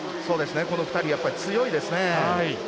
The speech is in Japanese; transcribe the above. この２人やっぱり強いですね。